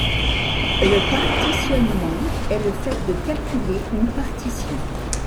Le partitionnement est le fait de calculer une partition.